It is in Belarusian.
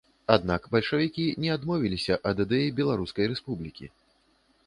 Аднак бальшавікі не адмовіліся і ад ідэі беларускай рэспублікі.